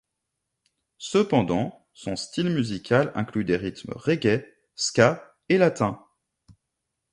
Cependant, son style musical inclut des rythmes reggae, ska et latins.